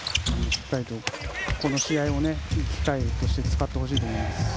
この試合をいい機会として使ってほしいと思います。